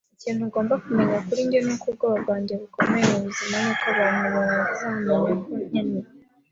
Ikintu ugomba kumenya kuri njye nuko ubwoba bwanjye bukomeye mubuzima nuko abantu bazamenya ko nkennye.